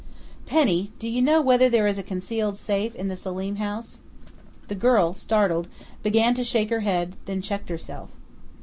"Penny, do you know whether there is a concealed safe in the Selim house?" The girl, startled, began to shake her head, then checked herself.